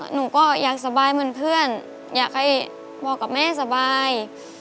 หนูก็อยากสบายเหมือนเพื่อนอยากให้บอกกับแม่สบาย